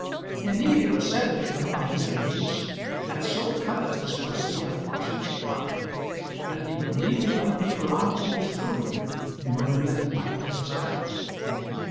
Indeed it was said of him by his enemies, that so covetous was he of Barsetshire property, that he would lead a young neighbour on to his ruin, in order that he might get his land.